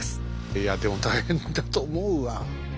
いやでも大変だと思うわ。